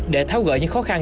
để tháo gỡ những khó khăn